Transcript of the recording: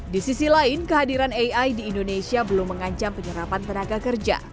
di sisi lain kehadiran ai di indonesia belum mengancam penyerapan tenaga kerja